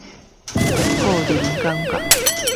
個人覺得